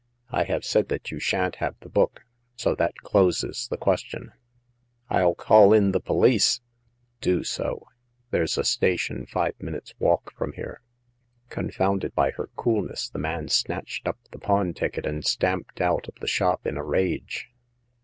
" I have said that you sha'n*t have the book, so that closes the question." " ril call in the police !"" Do so ; there's a station five minutes* walk from here." Confounded by her coolness, the man snatched up the pawn ticket, and stamped out of the shop in a rage.